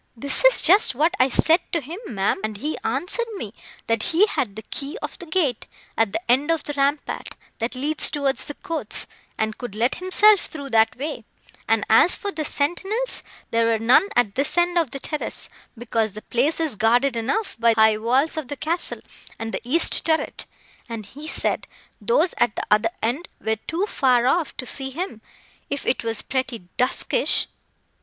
"That is just what I said to him, ma'am, and he answered me, that he had the key of the gate, at the end of the rampart, that leads towards the courts, and could let himself through that way; and as for the sentinels, there were none at this end of the terrace, because the place is guarded enough by the high walls of the castle, and the east turret; and he said those at the other end were too far off to see him, if it was pretty duskyish."